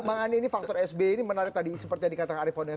bang andi ini faktor sbi ini menarik tadi seperti yang dikatakan ariefon